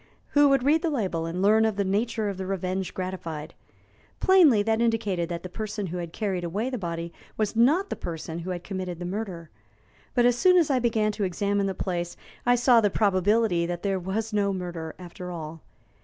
Who would read the label and learn of the nature of the revenge gratified? Plainly, that indicated that the person who had carried away the body was not the person who had committed the murder. But as soon as I began to examine the place I saw the probability that there was no murder, after all.